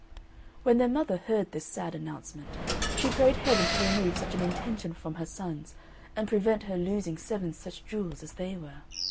When their mother heard this sad announcement, she prayed Heaven to remove such an intention from her sons, and prevent her losing seven such jewels as they were.